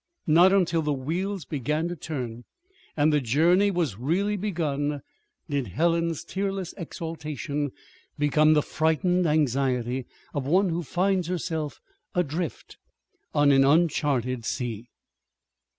Not until the wheels began to turn, and the journey was really begun, did Helen's tearless exaltation become the frightened anxiety of one who finds herself adrift on an uncharted sea.